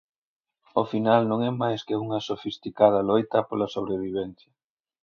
Ao final non é máis que unha sofisticada loita pola sobrevivencia.